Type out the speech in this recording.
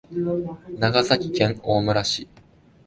長崎県大村市